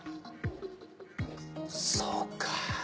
そうか。